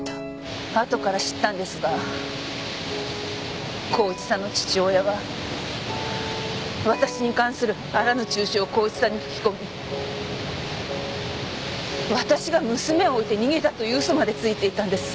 あとから知ったんですが孝一さんの父親は私に関するあらぬ中傷を孝一さんに吹き込み私が娘を置いて逃げたという嘘までついていたんです。